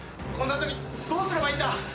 こんなときどうすればいいんだ！？